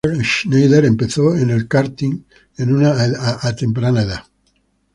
Bernd Schneider empezó en el karting en una edad temprana.